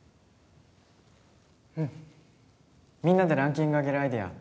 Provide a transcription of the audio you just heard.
うんみんなでランキング上げるアイデア